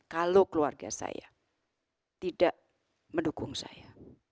kalau keluarga saya tidak mendukung saya